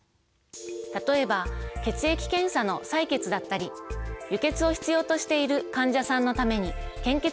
例えば血液検査の採血だったり輸血を必要としている患者さんのために献血したりする場合です。